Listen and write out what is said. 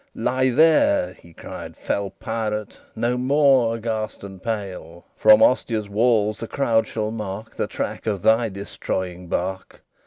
"Lie there," he cried, "fell pirate! No more, aghast and pale, From Ostia's walls the crowd shall mark The track of thy destroying bark.